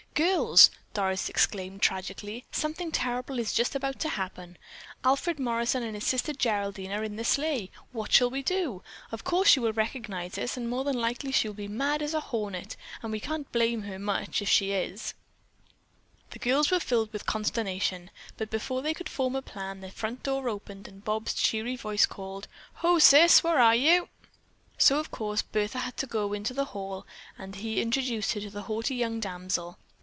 "Girls!" Doris exclaimed tragically. "Something terrible is just about to happen. Alfred Morrison and his sister, Geraldine, are in the sleigh. What shall we do? Of course she will recognize us and more than likely she will be mad as a hornet, and we can't much blame her if she is." The girls were filled with consternation, but before they could form a plan, the front door opened and Bob's cheery voice called: "Ho, Sis, where are you?" So of course Bertha had to go into the hall and he introduced her to the haughty young damsel.